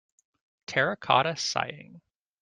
Terracotta Sighing.